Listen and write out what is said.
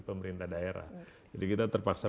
pemerintah daerah jadi kita terpaksa